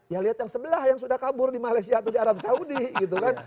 ya lihat yang sebelah yang sudah kabur di malaysia atau di arab saudi gitu kan